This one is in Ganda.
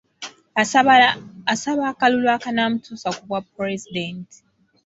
Asaba akalulu akanaamutuusa ku bwapulezidenti.